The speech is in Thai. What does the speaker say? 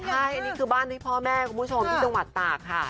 ใช่อันนี้คือบ้านที่พ่อแม่คุณผู้ชมที่จังหวัดตากค่ะ